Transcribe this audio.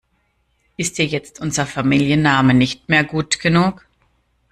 Ist dir jetzt unser Familienname nicht mehr gut genug?